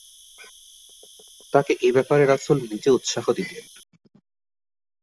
তাকে এ ব্যাপারে রাসূল নিজে উৎসাহ দিতেন।